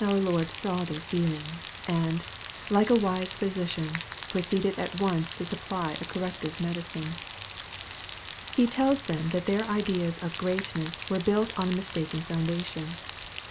Our Lord saw their feelings, and, like a wise physician, proceeded at once to supply a corrective medicine. He tells them that their ideas of greatness were built on a mistaken foundation.